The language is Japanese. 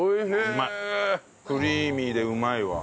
クリーミーでうまいわ。